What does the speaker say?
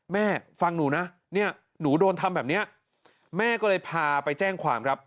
แม่ฟังหนูนะเนี่ยหนูโดนทำแบบนี้แม่ก็เลยพาไปแจ้งความครับ